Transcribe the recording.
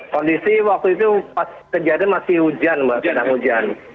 kondisi waktu itu pas kejadian masih hujan mbak sedang hujan